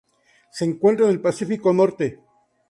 Se encuentra en el Pacífico norte.